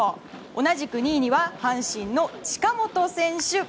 同じく２位には阪神の近本選手。